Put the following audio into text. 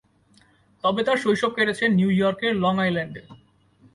তবে তার শৈশব কেটেছে নিউ ইয়র্কের লং আইল্যান্ডে।